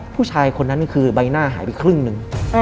ผู้ชายคนนั้นคือใบหน้าหายไปครึ่งหนึ่ง